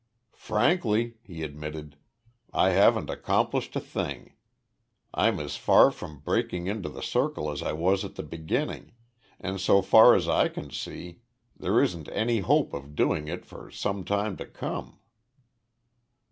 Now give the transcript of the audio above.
"Frankly," he admitted, "I haven't accomplished a thing. I'm as far from breaking into the circle as I was at the beginning, and, so far as I can see, there isn't any hope of doing it for some time to come."